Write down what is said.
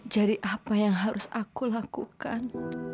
jadi apa yang harus aku lakukan